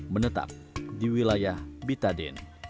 menetap di wilayah bitadin